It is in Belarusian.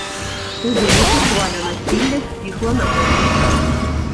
У выніку хваля насілля сціхла на пэўны час.